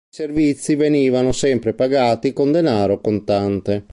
I servizi venivano sempre pagati con denaro contante.